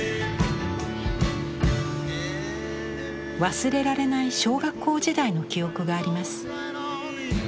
忘れられない小学校時代の記憶があります。